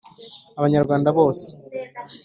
Abanyarwanda bose,